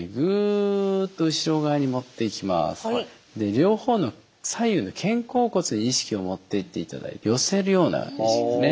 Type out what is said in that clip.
両方の左右の肩甲骨に意識を持っていっていただいて寄せるような意識ですね。